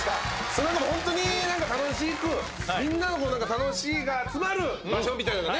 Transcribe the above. ホントに楽しくみんなの楽しいが集まる場所みたいなね。